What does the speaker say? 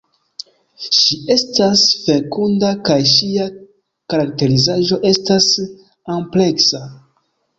Ŝi estas fekunda kaj ŝia karakterizaĵo estas ampleksa.